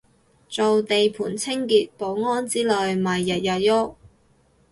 做地盤清潔保安之類咪日日郁